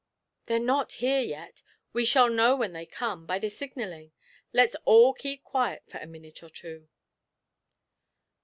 'They're not here yet we shall know when they come, by the signalling let's all keep quite quiet for a minute or two.'